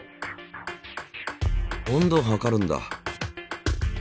温度測るんだ。